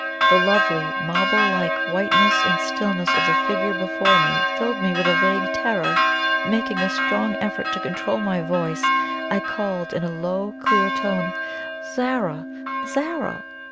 The lovely, marble like whiteness and stillness of the figure before me filled me with a vague terror. Making a strong effort to control my voice, I called, in a low, clear tone: "Zara! Zara!"